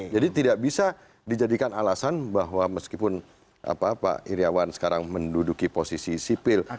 jadi tidak bisa dijadikan alasan bahwa meskipun pak iryawan sekarang menduduki posisi sipil